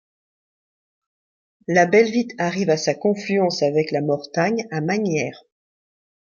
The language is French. La Belvitte arrive à sa confluence avec la Mortagne à Magnières.